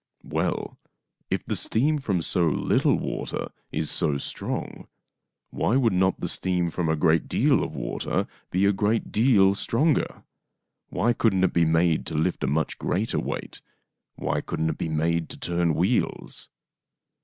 " Well, if the steam from so little water is so strong, why would not the steam from a great deal of water be a great deal stronger? Why couldn't it be made to lift a much greater weight? Why couldn't it be made to turn wheels